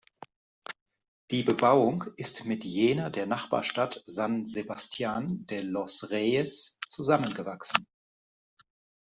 Die Bebauung ist mit jener der Nachbarstadt San Sebastián de los Reyes zusammengewachsen.